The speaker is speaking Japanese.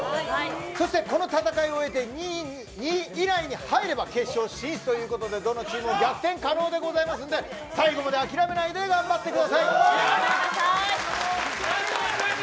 そしてこの戦いを終えて２位以内に入れば決勝進出ということでどのチームも逆転可能ですので最後まで諦めないで頑張ってください。